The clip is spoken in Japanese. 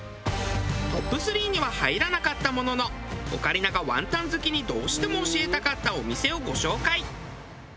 トップ３には入らなかったもののオカリナがワンタン好きにどうしても教えたかったお店をご紹介！